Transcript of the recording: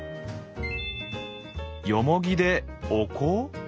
よもぎでお香？